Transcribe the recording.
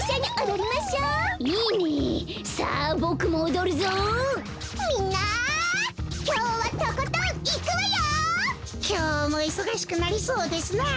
きょうもいそがしくなりそうですなあ。